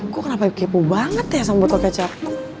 gue kenapa kepo banget ya sama botol kecap